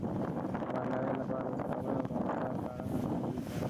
د مالدارۍ لپاره د څارویو روغتیا څارنه ضروري ده.